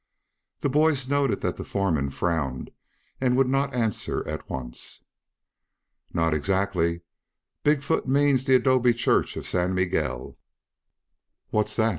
The boys noted that the foreman frowned and would not answer at once. "Not exactly. Big foot means the adobe church of San Miguel." "What's that?"